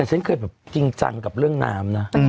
ฉันเคยแบบจริงจังกับเรื่องน้ำนะ